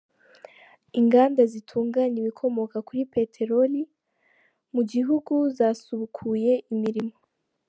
Inganda zitunganya ibikomoka kuri peteroli mu gihugu zasubukuye imirimo.